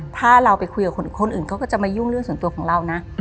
ถ้าเราไปคุยกับคนอื่นเขาก็จะมายุ่งเรื่องส่วนตัวของเรานะ